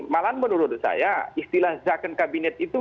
malah menurut saya istilah zakon kabinet itu